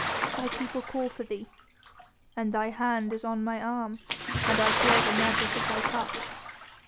"The people call for thee." "And thy hand is on my arm and I feel the magic of thy touch."